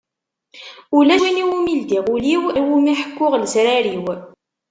Ulac win i wumi ldiɣ ul-iw neɣ i wumi ḥekkuɣ lesrar-iw.